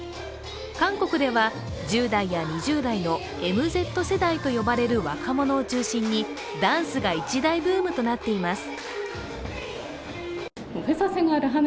韓国では１０代や２０代のＭＺ世代と呼ばれる若者を中心にダンスが一大ブームとなっています。